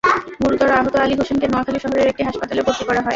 গুরুতর আহত আলী হোসেনকে নোয়াখালী শহরের একটি হাসপাতালে ভর্তি করা হয়।